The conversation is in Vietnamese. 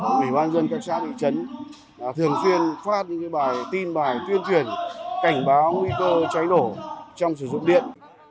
nghị quan dân các xã địa chấn thường xuyên phát tin bài tuyên truyền cảnh báo nguy cơ cháy nổ trong sử dụng điện